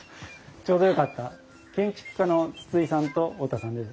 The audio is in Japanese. ちょうどよかった建築家の筒井さんと太田さんです。